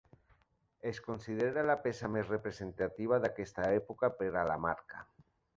Es considera la peça més representativa d'aquesta època per a la marca.